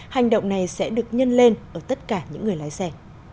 hành động này sẽ được nhân lên ở tất cả những người lái xe